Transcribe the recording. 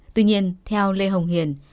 tuy nhiên theo lê hồng hiền